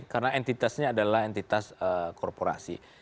karena entitasnya adalah entitas korporasi